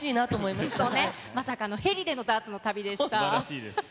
まさかのヘリでのダーツの旅でした。